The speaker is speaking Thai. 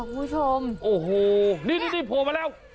คุณผู้ชมโอ้โหนี่โผล่มาแล้ว